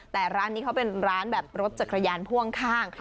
แต่ร้านนี้เขาเป็นร้านแบบรถจักรยานพ่วงข้าง